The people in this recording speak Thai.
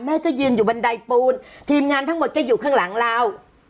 จะยืนอยู่บันไดปูนทีมงานทั้งหมดก็อยู่ข้างหลังเรา